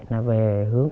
là về hướng